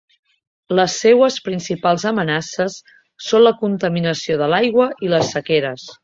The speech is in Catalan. Les seues principals amenaces són la contaminació de l'aigua i les sequeres.